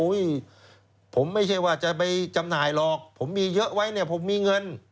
ผมไม่ใช่ว่าจะไปจำหน่ายหรอกผมมีเยอะไว้เนี่ยผมมีเงิน